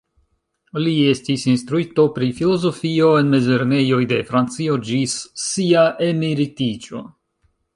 Li estis instruisto pri filozofio en mezlernejoj de Francio ĝis sia emeritiĝo.